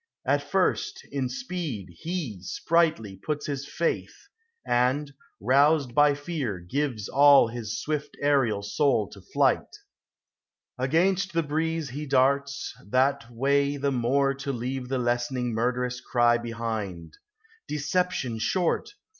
At flrst, in speed He, sprightly, puts Lis faith; and, roused by fear. Gives all his swill aerial soul t<» flight, 164 POEMS OF NATURE. Against the breeze he darts, that way the more To leave the lessening murderous cry behind : Deception short!